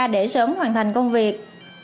để sớm hoàn thành công việc